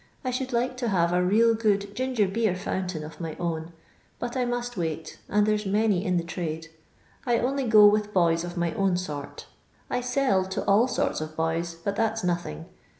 I should like to hate a real good ginger beer fountain of my own ; but I must wait, and there 's many in the trade. I only go with boys of my own sort I sell to all sorts of boys, but that *s nothing.